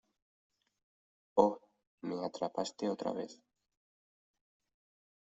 ¡ Oh! Me atrapaste otra vez.